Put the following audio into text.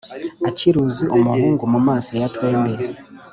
Akiruzi umuhunguMu maso ya twembi